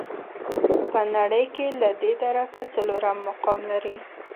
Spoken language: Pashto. په نړۍ کې له دې درکه څلورم مقام لري.